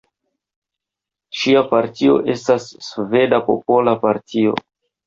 Ŝia partio estas Sveda Popola Partio.